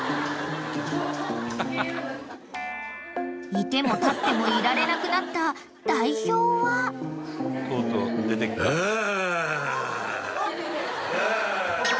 ［居ても立ってもいられなくなった代表は］わ！